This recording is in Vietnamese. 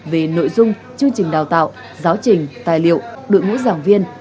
về nội dung chương trình đào tạo giáo trình tài liệu đội ngũ giảng viên